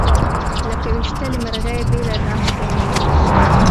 لکه ويشتلې مرغۍ بېله ناسته یمه